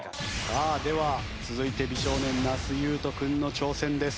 さあでは続いて美少年那須雄登君の挑戦です。